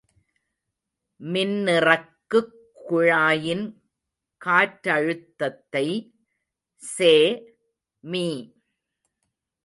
மின்னிறக்குக்குழாயின் காற்றழுத்தத்தை செ.மீ.